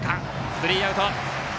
スリーアウト。